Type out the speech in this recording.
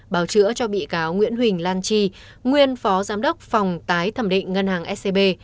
bào chữa cho bị cáo nguyễn huỳnh lan chi nguyên phó giám đốc phòng tái thẩm định ngân hàng scb